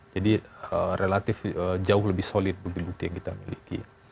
jadi relatif jauh lebih solid bukti bukti yang kita miliki